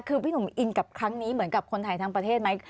คือพี่หนุ่มอินกับครั้งนี้เหมือนกับคนไทยทั้งประเทศไหม